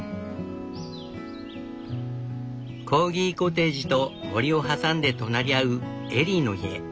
コーギコテージと森を挟んで隣り合うエリーの家。